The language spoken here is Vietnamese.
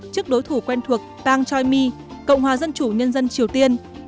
trước đối thủ quen thuộc pang choi mi cộng hòa dân chủ nhân dân triều tiên